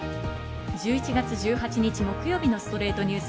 １１月１８日、木曜日の『ストレイトニュース』。